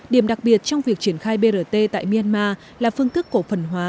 điểm đặc biệt trong việc triển khai brt tại myanmar là phương thức cổ phần hóa